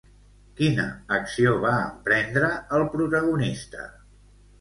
Quina acció va emprendre el protagonista?